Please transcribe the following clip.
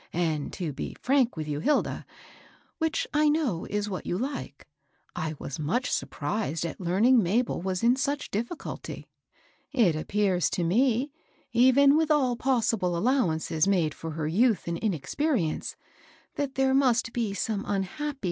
And, to be frank with you, Hilda, — which I know is what you like, — I was much surprised at learning Ma bel was in such diflSculty. It appears to me, even with all possible allowance made for her youth and inexperience, that there must be some unhappy HOW HILDA KEEPS HER PO^VDEB DRY.